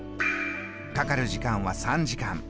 かかる時間は３時間。